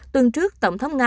tuần trước tổng thống nga